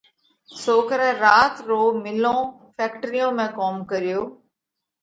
سوڪرئہ رات رو مِلون (فيڪٽريون) ۾ ڪوم ڪريو۔